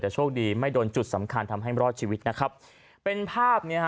แต่โชคดีไม่โดนจุดสำคัญทำให้รอดชีวิตนะครับเป็นภาพเนี้ยฮะ